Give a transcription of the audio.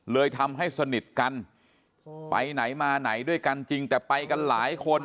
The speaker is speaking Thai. เลยทำให้สนิทกันไปไหนมาไหนด้วยกันจริงแต่ไปกันหลายคน